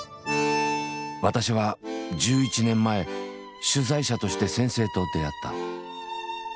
私は１１年前取材者として先生と出会った。